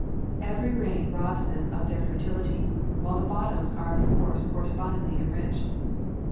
Every rain robs them of their fertility, while the bottoms are of course correspondingly enriched.